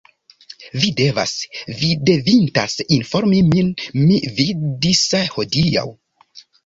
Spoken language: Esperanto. Vi devas, vi devintas informi min. Mi vidis hodiaŭ.